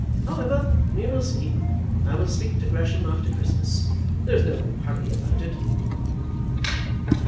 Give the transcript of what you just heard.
However, we will see. I will speak to Gresham after Christmas. There is no hurry about it."